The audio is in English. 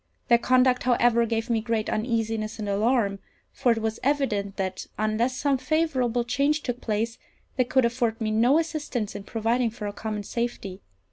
Their conduct, however, gave me great uneasiness and alarm; for it was evident that, unless some favourable change took place, they could afford me no assistance in providing for our common safety.